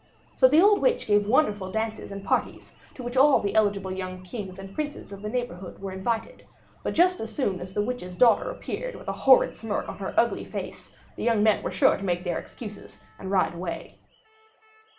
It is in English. So the old witch gave wonderful dances and parties, to which all the eligible young kings and princes of the neighborhood were invited; but just as soon as the witch's daughter appeared with a horrid smirk on her ugly face, the young men were sure to make their excuses and ride away.